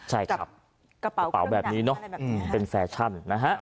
ใช่ครับกระเป๋าแบบนี้เนอะเป็นแฟชั่นนะฮะ